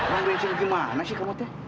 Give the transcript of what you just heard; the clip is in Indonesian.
uang bensin gimana sih kamu ngasih